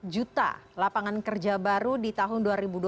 empat juta lapangan kerja baru di tahun dua ribu dua puluh